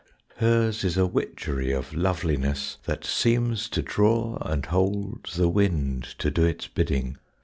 Hers is a witchery Of loveliness, that seems to draw and hold The wind to do its bidding.